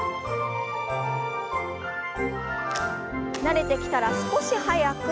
慣れてきたら少し速く。